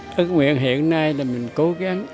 tức nguyện hiện nay là mình cố gắng